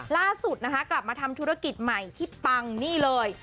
ล่าสุดนะคะกลับมาทำธุรกิจใหม่ที่ปังนี่เลย